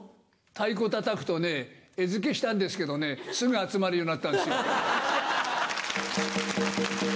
太鼓たたくとね、餌付けしたんですけどね、すぐ集まるようになったんですよ。